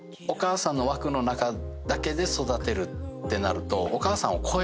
お母さんの枠の中だけで育てるってなると。